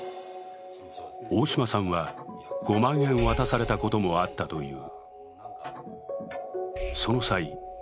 大島さんは５万円渡されたこともあったという。